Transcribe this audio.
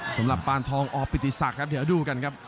สำหรับปานทองอปิติศักดิ์ครับเดี๋ยวดูกันครับ